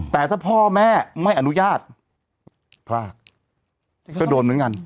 แต่ถ้าพ่อแม่ไม่อนุญาตพลากก็โดนเหมือนกัน